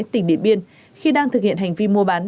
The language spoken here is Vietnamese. tỉnh điện biên khi đang thực hiện hành vi mua bán